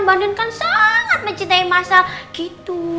mbak anden kan sangat mencintai mas al gitu